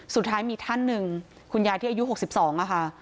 สุดท้ายมีท่านหนึ่งคุณยายที่อายุ๖๒ค่ะ